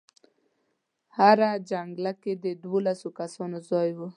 هره جنګله کې د دولسو کسانو ځای و.